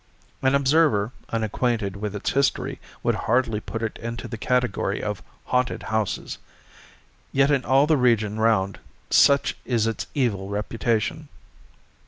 An observer unacquainted with its history would hardly put it into the category of "haunted houses," yet in all the region round such is its evil reputation.